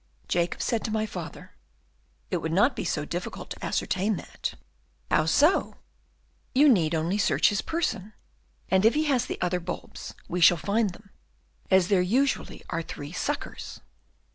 "Jacob said to my father, "'It would not be so difficult to ascertain that.' "'How so?' "'You need only search his person: and if he has the other bulbs, we shall find them, as there usually are three suckers!